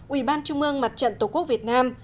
ubnd tổ quốc việt nam